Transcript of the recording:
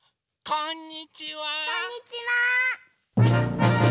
こんにちは！